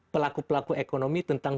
pelaku pelaku ekonomi tentang